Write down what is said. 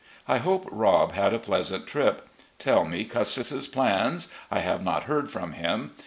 I hope Rob had a pleasant trip. Tell me Custis's plans. I have not heard from him.